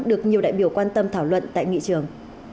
được nhiều đại biểu quan tâm thảo luận tại nghị trường